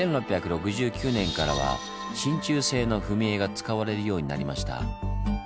１６６９年からは真鍮製の踏み絵が使われるようになりました。